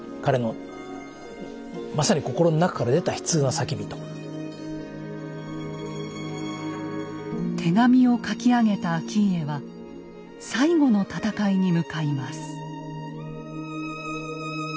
っていうこととこう手紙を書き上げた顕家は最後の戦いに向かいます。